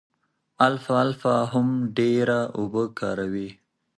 الفالفا هم ډېره اوبه کاروي.